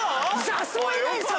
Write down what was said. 誘えないんすよ